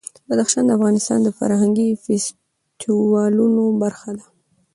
بدخشان د افغانستان د فرهنګي فستیوالونو برخه ده.